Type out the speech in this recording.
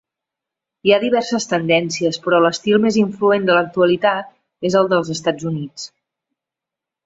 Hi ha diverses tendències, però l'estil més influent de l'actualitat és el dels Estats Units.